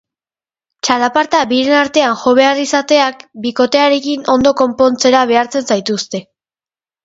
Txalaparta biren artean jo behar izateak bikotearekin ondo konpontzera behartzen zaituzte.